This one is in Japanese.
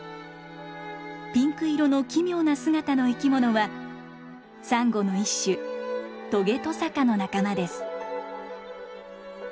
ピンク色の奇妙な姿の生き物はサンゴの一種トゲトサカの仲間です。